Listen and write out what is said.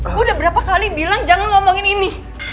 aku udah berapa kali bilang jangan ngomongin ini